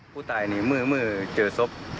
ผู้ตายนี่เมื่อเจอศพ